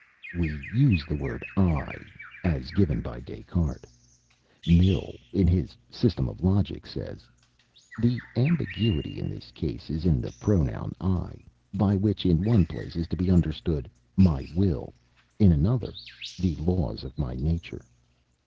We use the word "I" as given by Des Cartes. Mill, in his "System of Logic," says, "The ambiguity in this case is in the pronoun I, by which in one place is to be understood my will: in another the laws of my nature.